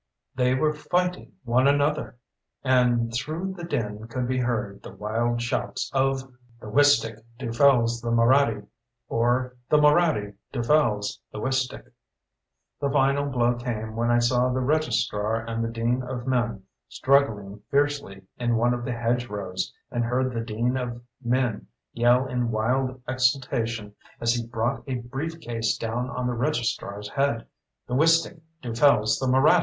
They were fighting one another! And through the din could be heard the wild shouts of "The Wistick dufels the Moraddy!" or "The Moraddy dufels the Wistick!" The final blow came when I saw the Registrar and the Dean of Men struggling fiercely in one of the hedge rows, and heard the Dean of Men yell in wild exultation as he brought a briefcase down on the Registrar's head, "The Wistick dufels the Moraddy!"